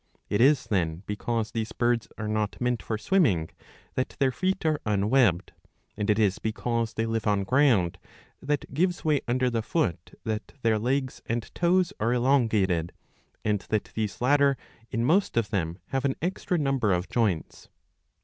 ^^ It is, then, because these birds are not meant for swimming that their feet are unwebbed, and it is because they live on ground that gives way under the foot that their legs and toes are elongated, and that these latter in most of them have an extra number of joints.